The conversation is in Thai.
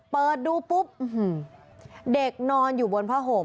เปิดดูปุ๊บเด็กนอนอยู่บนผ้าห่ม